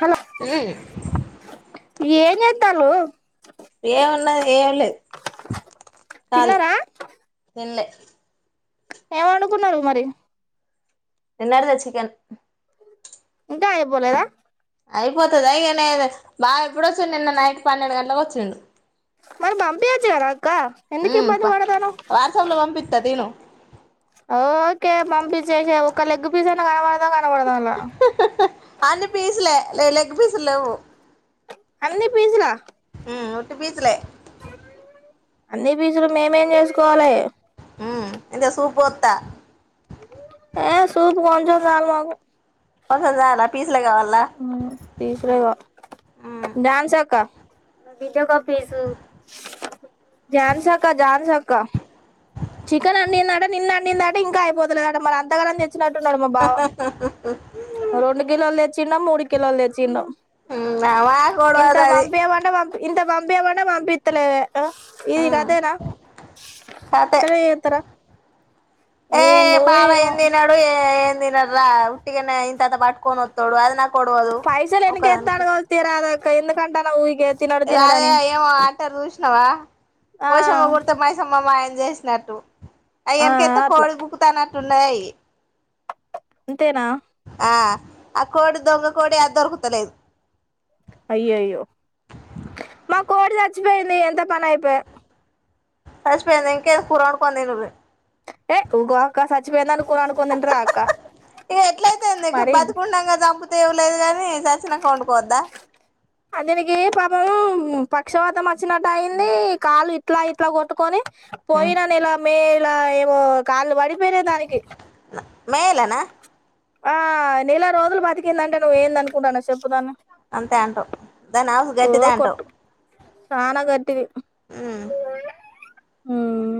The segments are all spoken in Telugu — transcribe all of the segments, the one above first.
అ ఏ ఏన్ైతాలు ఏమున్నాది ఏమిలేదు ాలీ తిన్నారా తన్లే ఏమనుకున్నారు మరి తిన్నారుగా చికెన్ ఇంకా అయిపోలేదా అయిపోతాదా ఏమి బాగా ఎప్పుడు వచ్చి నిన్న నైట్ పన్నెండు గంటలకు వచ్చిండు మరి పంపియాచ్చ ఎరా ఉ ప వాట్సాప్‌లో పంపిస్తా తిను ఓకే పంపి చేసి ఒక లెగ్ పీస్ అయినా కనపడదా కనపడదా అలా అన్ని పీసులే లే లెగ్ పీసులు లేవు అన్ని పిసులా ఉట్టి పిసులే అన్ని పిసులు మేమేం చేసుకోవాలి ఉ ఎంట సూపుత ఏ సూపు కొంచెం చాలు మాకు కొంచెం చాలా ప్లీజ్ ఉ తీసర ఉమ్ ఝాన్సీ అక్క నా బిడ్డకు పీసు జాన్స్ అక్క జాన్స్ అక్క చికెన్ వండినాడంట నిన్న నిన్న ఇంకా అయిపోతలే అంట మరి అంతగనం వచ్చినట్లు ఉన్నాడు మా బావ రెండు కిలోలు తెచ్చిండు మూడు కిలోల తెచ్చిండు ఉమ్ మా ఎంత గొడవది అది పంపియమంటే ప ఎంత పంపియమన్నా పంపిత్తలేవే కదా ఇది ఉమ్ గదేనా కతే ఎత్తరా ఏ బావ ఏం తినడు ఏ తినర్రా ఉట్టిగనే ఆ ఇంతింత పట్టుకొని వత్తాడు అది నాకు ఒడవదు పైసలు ఎందు ఒక్కదానికి కేత్తండు కావచ్చు తీరా ద కే ఎందుకంటున్నావ్ గే అదే ఏమో ఆంటారు చూసినవా ఆ పోచమ్మ గుడితో మైసమ్మ మాయ చేసినట్లు ఐ ఆ ఎంకెత్తు అట్లా కోడి బుక్ తన తున్నాయ్ అంతేనా ఆ ఆ కోడి దొంగ కోడి యా దొరుకుతలేదు అయ్యయ్యో మా కోడి సచ్చిపోయింది ఎంత పని అయిపోయా సచ్చిపోయిందా ఇంకేంది కూర వండుకొని తినుర్రి ఏ ఊకో అక్క సచ్చిపోయిందని ఎ ఎట్లయితే ఇంకా మరి బతికున్నాంగా సంపుత్ టీవి లేదు గాని సచ్చినంక వండుకోవద్దు అనిల్ కి పాపం పక్షవాతం వాతం వచ్చినట్లయింది కాళ్లు ఇట్లా ఇట్లా కొట్టుకొని, పోయినా నెల మే అలా ఏమో కాల్లు పడి వేరే దానికి మేలేనా ఆ నెల రోజులు బతిక్ ఇగ నన్ను నువ్వు ఏంది అనుకుంటానవ్ చెప్పునన్ను అంతే అంటావు దాని హౌస్ ఓ గట్టిదే అంటావు కొట్టు చానా గట్టిది. ఉమ్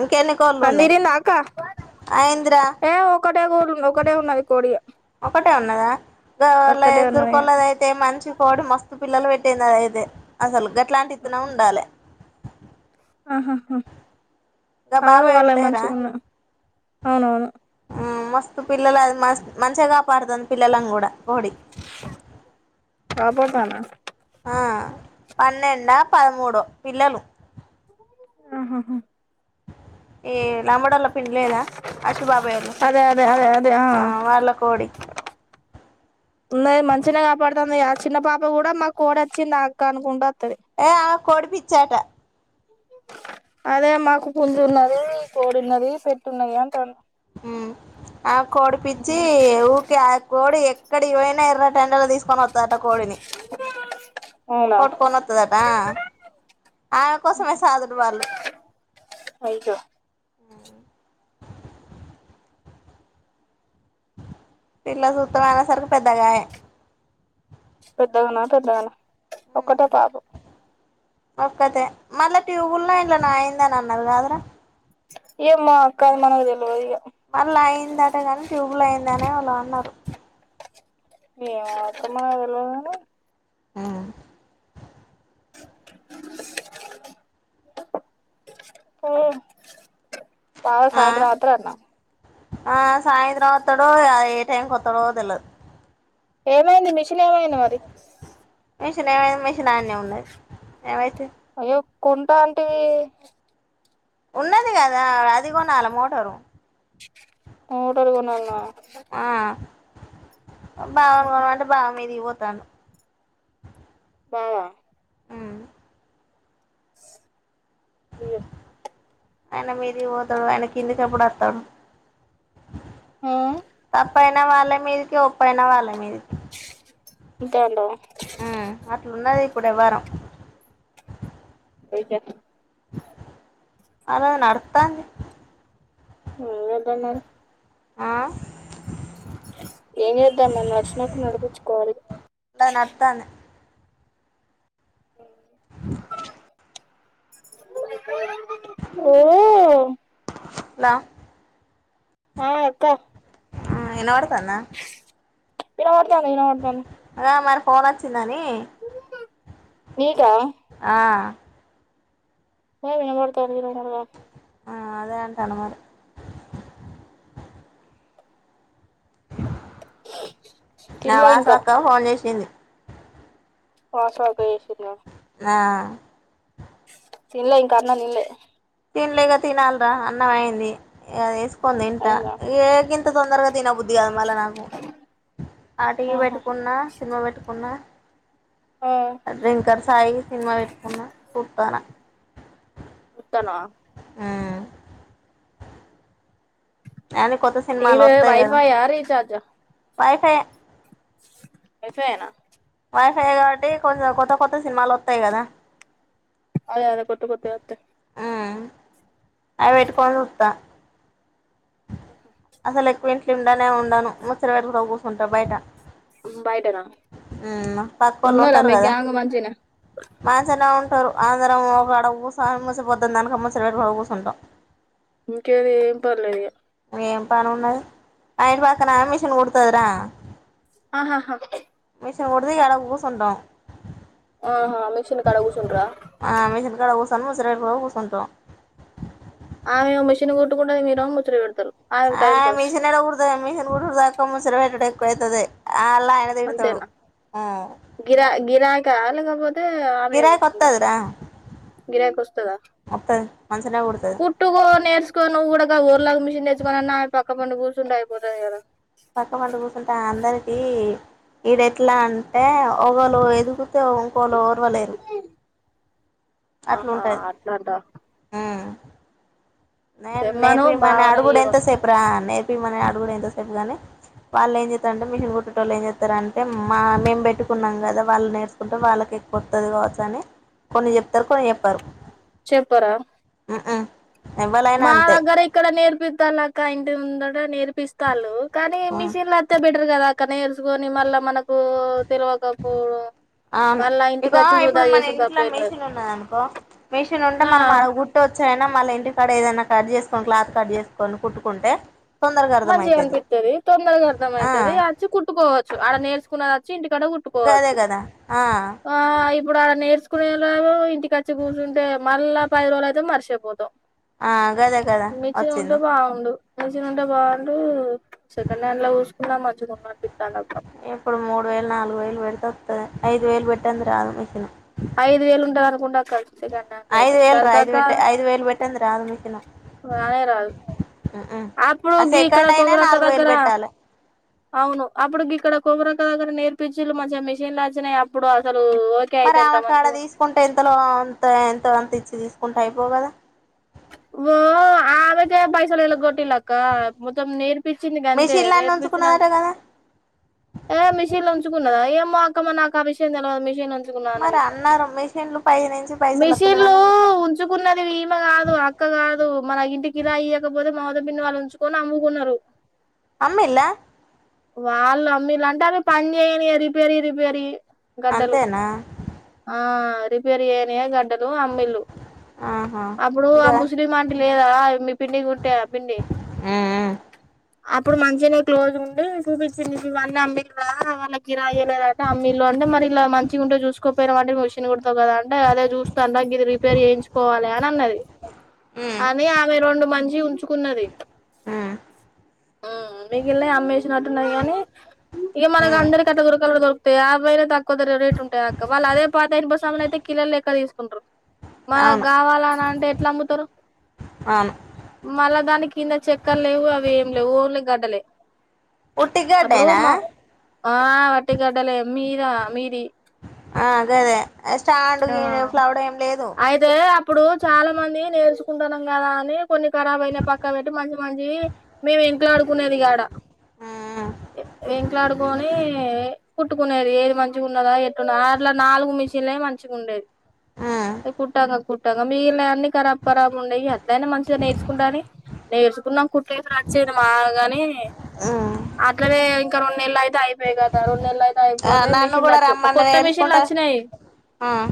ఇంకెన్ని కోళ్ళు ఉన్నాయి పందిరి మాక అయిందిరా తే అన్నదా గా వాళ్లయ్ తురుకోళ్లదైతే మంచి కోడి మస్తు పిల్లలు పెట్ ఏనాడైతే అసలు గట్ ఇట్లాంటిత్తనం ఉండాలె ఆహాహా గా అవును వాళ్ళ బాబాయోళ్ళు లేరా మంచిగున్నాయ్ అవును ఆవును పిల్లలను మం మంచిగా కాపాడుతుంది పిల్లలని కూడా కోడి వాపోతానా ఆ పన్నెండ పదమూడో పిల్లలు ఆహాహా ఏ లంబడోళ్ళ పిండి లేదా అశూబాబాయ వాళ్ళు అదే అదే అదే అదే వాళ్ళ కోడి మంచిన కాపాడుతుంది ఆ చిన్న పాప కూడా మా కోడి వచ్చింద అక్క అనుకుంటా ఏ కోడిపిచ్చాట అదే మాకు పుంజు ఉన్నది కోడున్నది పెట్ట ఉన్నది అంటా ఆ కోడి పిచ్చి ఊక కోడి ఇక్కడ ఇవైనా ఎర్ర టెండర్లు తీసుకొని వస్తారట కోడిని అవునా కొట్టుకొని వస్తుదట ఆమె కోసమే సాధడు వాళ్ళు అయ్యో పిల్ల సూత్రం అయినా సరికి పెద్దగాయ ఉనా పెద్ద కానా ఒక్కటే పాబు ఒక్కతే మళ్ళా ట్యూబుల్ల్లో ఇంట్లో నా అయిందని అన్నారు కాదురా ఇయ మా అక్క మనకి తెల్వదు ఇగ మళ్ళ అయిందటగాని ట్యూబ్లో అయిందనే వాళ్ళు అన్నారు ఏ మత్తమా ఎల ఆ పోఓ బావ ఆ సాయంత్రం వస్తాడంట ఆ సాయంత్రం వస్తాడో ఏ టైంకి వస్తాడో తెలిదు ఏమైంది మిషన్ ఏమైంది మరి మెషన్ ఏం అయింది మెషన్న్నే ఉన్నది ఏం అయితది అయ్యో కొంత ఆంటీవి ఉన్నది కదా ఆడుకోండి ఆడ మోటారు మోటర్ కోణాల బాగునుకో అంటే బాగా మీది ఇ పోద్ తను వా ఆయన మీరిగి పోతాడు ఆయన కిందికిప్పుడు వస్తాడు ఆ పైన వాళ్ళ మీదకి ఒప్పైన వాళ్ళ మీదకి కాండ ఎవరం వతే అలా నడుతంది అ అదన్నా ఆ ఏం చేద్దా మం నడిచినాప్పుడు నడిపించుకోవాలి అలా నడుత్తాంది ఓ ల ఆ అక్క ఆ ఇన పడుతందా ఇన పడ్తందీ ఇన పడ్తందీ అదే మరి పోచ్చ దని నీకా ఆ వినపడుత అడిరు మడుగా ఆ అదేంటను మరి ఆ తినలే వాస ఇంకా వస్త ఫోన్ చేసింది ఆశా చేసింద ఆహా తిన్లే ఇంక అన్నం తిన్లే తినలేక తినాలరా అన్నం అయింది అ కొంది అయిందా ఎంతగింత తొందర తిన బుద్ధి కాదు మళ్ళ నాకు ఆ టీవీ ఆహా పెట్టుకున్నా సినిమా పెట్టుకున్నా డ్రింకర్ సాయి సినిమా పెట్టుకున్న చూత్తన్న ఉతన హ్మ్ అన్ని కొత్త టీవీ వైఫై ఆ రీచార్జా వై ఫై యే వై ఫై యేనా వైఫై యే కాబట్టి కొంచెం కొత్త కొత్త సినిమాలు వత్తాయి కదా అదే అదే కొత్త కొత్తయి వత్తాయి అయి పెట్టుకోని చూత్తా అసలు ఎక్కువ ఇంట్ల ఉండనే ఉండను ముచ్చట పెట్టుకుంటా పో ఉంటా బయట బయటనా పక్కోళ్ళు ఉన్నారా ఉంటారు మీ కదా గ్యాంగ్ మంచిగనే మాసనా ఉం టారు అందరం ఒకాడ కూసోని మూసిపోద్దా దానికి ముచ్చట పెట్టుకొని కూర్చుంటాం ఇంకేమి ఏం పర్లేద ఇగ మా ఇంటి పక్కనామే మిషన్ కుడతది రా ఆహాహా మిషన్ కుడతది ఇంక ఆడ కూసుంటం ఆహా మిషన్ కాడ కూచుంటరా సన్జై బకుస్తుంటం ఆమె మిషిన్ కొట్టుకుంటేది మీరు ముచ్చో పెడతారు ఆ మషన్ ఎలా కుడదా మిషన్ కుదా ముసరట ద అంతేనా గిరా గిరా కాాలగాపో ఆమె గిరాకి కుట్టుకుంట వత్తదిరా గిరాక వస్తుందా వత్తది మంచిగనే కుడుతది కుట్టుకో నేర్చుకో నువ్వు కూడాక ఊర్లాగా మిషన్ నేర్ుకోన్న ఆమె పక్క పండు కూర్చ ండయిపో ఎా పక్క పడు కూర్చుంటా అందరిక ఇడ ఎట్లా అంటే ఓవలు ఎదుగు ంకోలు ర్వలేరు ఆహా అట్లాంట నే నేర్పి మ బావని అడుగుడ ఎంత ఇయ్యమను సేప్రా నేర్ మనని అడుగు ఎంతసేపుగాని వాళ్ళు ఏం చేస్తారంటే మిషన్ కుట్టేట వాళు ఏం చేస్తారంటే మా మేము పెట్టుకున్నాం కదా వాళ్ళు నేర్చుకుంటే వాళ్ళకి ఎక్కు వతుంది కావచ్చు అని కొన్ని చెప్తారు కొని చెప్పారు చెప్పరా ఎవ్వలైనా మా అంతే దగ్గర ఇక్కడ నేర్పిిద్దల కా ఇ ఇ ఉందట నేర్పిస్తాలు కానీ మిషన్ లోతే కదా అక్క నేర్చుకొని మళ్ళ మనకు తెలవకపోవడం అవును మళ్ళా ఇక ఇంటికచ్చి వృధా ఇప్పుడు మన చేసుడు తప్ప ఇంట్లో ఏం లేదు మెషన్ ఉన్నద అనుకో మెషన్ ఉంటే ఆ మనం అడ గుట్ వచ్చాైనా మళ్ళా ఇంటికాడ ఏదైనా కట్ చేసుకొని క్లాత్ కట్ చేసుకని కుట్టుకుంటే తొందరగా మంచిగా అర్థమయితది అనిపిస్తుది తొందరగా ఆ అర్థంమవుతుది వచ్చి కుట్టుకోవచ్చు ఆడ నేర్చుకున్న వచ్చి ఇంటికాడ గదే కుట్టుకోవచ్చు కదా ఆ ఆ ఇప్పుడు ఆడ నేర్చు కునేళ్ ఇంటికిచ్చి కూర్చుంటే మళ్ళా పది రోజులు అయితే మరిచేపోతాం ఆ కదా కదా వచ్చింది వ చిినంట వాళ్ళ సెకండ్ హ్యాండ్ లా చూసుకుందా మితున్నతనర్థం ఇప్పుడు మూడు వేలు నాలుగు వేలు పెడితే ఐదు వేలు పెట్ట అందు రాదు వేసిన ఐదు వేలు ఉంటంది అనుకుంటడా స ఐదు వేలరా ఐదు వట ఐదు వేలు పెట్టందరా అదిమకినా అప్పుడుగ ఇక్కడ కొంగరక వేలు దగర పెట్టాలి అవును అప్పుడుకి ఇక్కడ కొంగర ఇక్కగ్గరేర్పిచ్చులు మంచి మిషన్ వినాయి అప్పుడు అ మరి ఆమె కాడ తీసుకుంటే ఎంతలో అంత ఎంత అంత ఇ తీసుకుంటా అయిపోగదా ఓ ఆమెతే పైసలుళ్ళ గొట్టి క్క మొత్తం నేర్పచ్చింది కంతే మిషన్లన్నీ నేర్పచ్చినాక ఉంచుకున్నదట కదా ఏ మిషన్ లో ఉంచుకున్నదా ఏ మాకమ్మ నాక అ విషయంం మిషన్ ున్న మరి విషయం అన్నారు మిషన్లు పై నుంచి పైసలు మిషన్లు వత్తలేవని ఉంచుకున్నది ఈమె కాదు కాదు మన ఇంటికి ఇరా అయకపోతే మాత పిన్ని వాళ్ళు ఉంచుకొని అమ్ముకున్నారు అమ్మేలా వాళ్ళు మీలు అంటే అవి పని చేయని రిపేరీ రిపేరీ గడ్డలు అంతేనా ఆ ది పరి ఏనే గడి అమ్మలు ఆహా అప్పుడు అ ఇంకా లేదా మీ పిండి ఉంటే ప మ్మ్ అప్పుడు మంచి క్లోజ్ ఉండి చూపించి ఇవన్నీ అమ్మలు రా వాళ్ళకిిరాయ్యలేదంటే అమ్మీలో అంటే మరి ఇలా మంచిగా ఉంటే చూసుకోపోయిన వాంటషిన్ కుడా కదా అంటే అదే చూస్తా మీది రిపేర్ చేయించకోవి నన్నది మ్మ్ అని ఆమె రెండు మంది ఉంచుకున్నది మ్మ్ మీకు ఇల్ళ అమ్మ వేసినట్టున్నాయి గాని ఇక మనకు మ్మ్ అందరికి అట్ట గురకలు కూడా దొకుతాయి ఆ పైనే తక్కువ తర రేటు ఉంటాయి అక్క వాళ్ళ అదే పాతయినపుసమ్ములు అయితే కిలర్లెక్క తీకుంటారు మనకు అవును కావాలని అంటే ఎట్లా అమ్ముతారు అవును మళ దానికి కింద చక్కర్ లేవు అవి ఏం లేవు ఓన్లే గడ్డలే ఉట్టి అప్పుడు గడ్డేనా మ ఆ వట్టిగడ్డలే మీరా మీది ఆ గదే స్టాండ్ ఆ గీను ఫ్లవర్ ఏం లేదు అయితే అప్పుడు చాలా మంది నేర్ కుంటున్నాం కదా అని కొన్ని ఖరాబ్ అయినా పక్క పెట్టి మంచి మంచివి మేము ఇంట్లా ఆడుకునేది గాడ మ్మ్ వెంకలాడుకోని కుట్టుకునేది ఏది మంచిగా ఉండదా ఎట్టున్న అట్లా నాలుగు మిషన్లే మంచిగా ఉండేది మ్మ్ కుట్టాంగా కు మీ ఇ న అన్ని కరా ఖరాబ ఉండేయి అట్ అయినా మంచిగా నేర్చుకుంటాను నేర్చుకున్నాం కుట్సు రాచ్చే మాగాని అే మ్మ్ త ఎలాయిదయిగా త ర ఉ ఎలాయి ఆ అయిపోతే నన్ను మిషన్లు కూడా వచ్చ రమ్మన్నది కొత్త మిషన్లు ఏడ్చుకుంటా వచ్చినాయి ఆ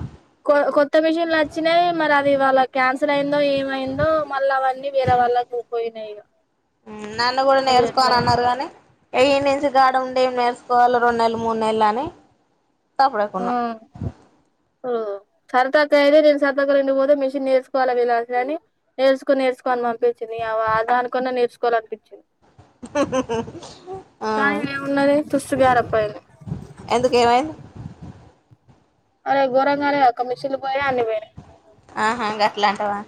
కొత్త మిషన్లు వచ్చినాయి మరి అ ఇవాళ క్యాన్స్ అసలైందో ఏమైందో మల్లా అవన్నీ వేరే వాళ్ళకుపోయినాయో మ్మ్ నన్ను కూడా నేర్చుకో అని అన్నారు కానీ వె ఇడ నుంచి గాడ ఉండే ఏం నేర్సుకోవాలి రెన్ నెల్ మూన్ నెల్లని తప్పుడు ఎకున్నా మ్మ్ సరదాగా అయితే నేను సరదా్గా రండిపోతే మిషన్ నేర్చుకోవాలి విలాని నేర్చుకుని నేర్చకోని మ ది వచ్చింది కదా ఆ దానికన్న నేర్చ్ కోలాల్ పిచ్చ ఆ ఏమున్నది తుస్తుగారపోయింది ఎందుకేమయింది అరే గోరంగా లేదా అక్కా మిషన్లు పోయినయ్ మీవి ఆహా గట్లా అంటావా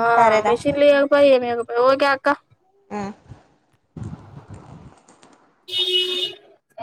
ఆ సరేరా మిషన్ లే పయి అ మీ వూర్ కే అక్కా ఆ